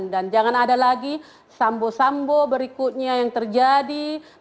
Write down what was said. dan jangan ada lagi sambo sambo berikutnya yang terjadi di negara